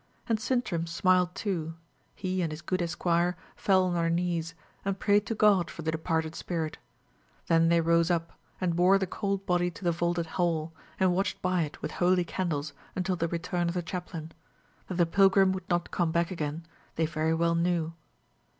And Sintram smiled too; he and his good esquire fell on their knees, and prayed to God for the departed spirit. Then they rose up, and bore the cold body to the vaulted hall, and watched by it with holy candles until the return of the chaplain. That the pilgrim would not come back again, they very well knew.